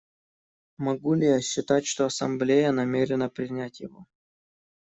Могу ли я считать, что Ассамблея намерена принять его?